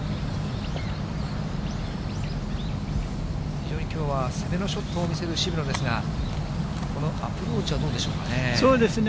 非常にきょうは、攻めのショットを見せる渋野ですが、このアプローチはどうでしょうかね。